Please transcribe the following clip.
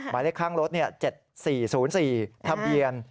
หมายเลขข้างรถ๗๔๐๔ทะเบียน